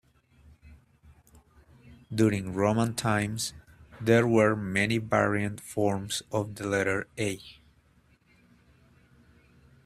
During Roman times, there were many variant forms of the letter "A".